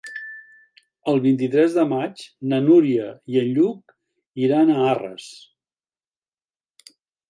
El vint-i-tres de maig na Núria i en Lluc iran a Arres.